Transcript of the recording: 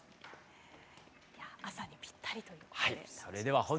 朝にぴったりということでした。